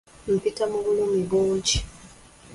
Mpita mu bulumi bungi.